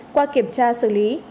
qua kiểm tra xử lý